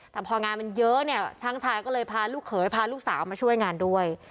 แต่พองานมันเยอะเนี่ยช่างชายก็เลยพาลูกเขยพาลูกสาวมาช่วยงานด้วย